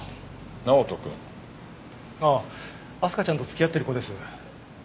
直人くん？ああ明日香ちゃんと付き合ってる子です。